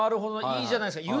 いいじゃないですか。